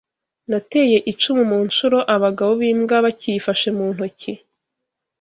Nateye icumu mu nshuro abagabo b'imbwa bakiyafashe mu ntoki